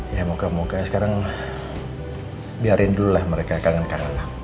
ya moga moga sekarang biarin dulu lah mereka kangen kangen lah